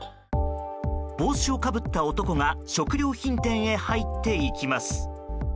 帽子をかぶった男が食料品店へ入っていきます。